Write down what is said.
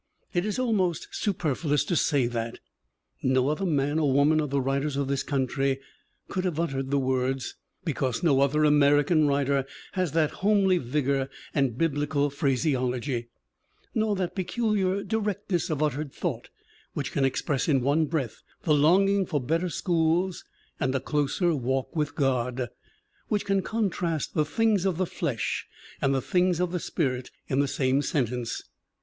It is almost superfluous to say that. No other man or woman of the writers of this country could have uttered the words, because no other American writer has that homely vigor and Biblical phraseology, nor that peculiar directness of uttered thought which can express in one breath the longing for better schools and a closer walk with God, which can contrast the things of the flesh and the things of the spirit in the same sentence.